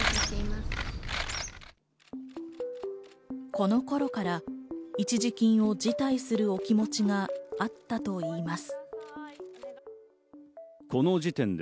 この頃から一時金を辞退するお気持ちがあったといいます。